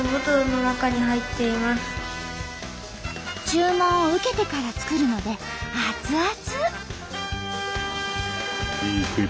注文を受けてから作るので熱々！